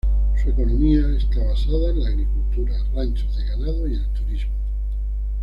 Su economía está basada en la agricultura, ranchos de ganado y el turismo.